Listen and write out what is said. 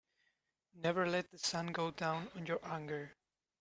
Never let the sun go down on your anger.